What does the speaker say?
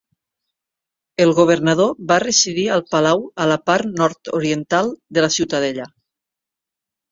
El governador va residir al palau a la part nord-oriental de la ciutadella.